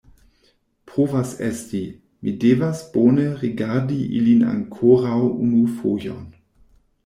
Povas esti; mi devas bone rigardi ilin ankoraŭ unu fojon.